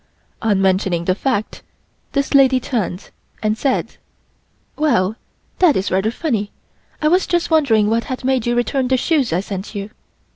On mentioning the fact, this lady turned and said: "Well, that is rather funny; I was just wondering what had made you return the shoes I sent you."